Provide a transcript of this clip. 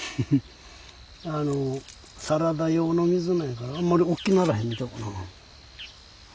サラダ用の水菜やからあんまりおっきならへん。